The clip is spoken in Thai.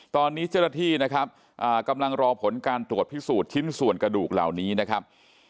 ตอนนี้เจ้าหน้าที่นะครับกำลังรอผลการตรวจพิสูจน์ชิ้นส่วนกระดูกเหล่านี้นะครับ